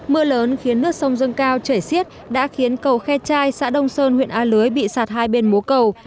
mưa lớn khiến nước sông dâng cao trởi xiết đã khiến cầu khe trai xã đông sơn huyện a lưới bị sạt hai bên múa cầu